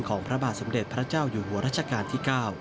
ของพระบาทสมเด็จพระเจ้าหญวงฐรัชกาลที่๙